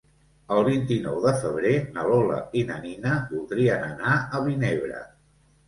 El vint-i-nou de febrer na Lola i na Nina voldrien anar a Vinebre.